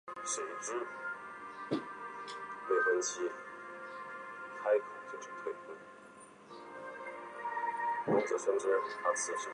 类似片名一览